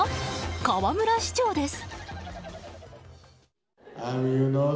河村市長です。